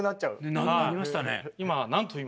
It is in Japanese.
なりましたね。